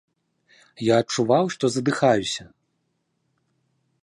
Я адчуваў, што задыхаюся.